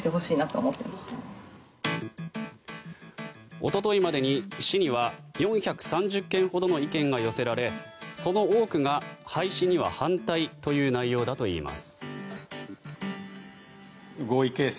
おとといまでに市には４３０件ほどの意見が寄せられその多くが廃止には反対という内容だといいます。